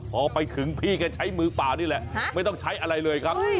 พอไปถึงพี่ก็ใช้มือเปล่านี่แหละไม่ต้องใช้อะไรเลยครับ